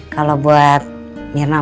kalau buat mirna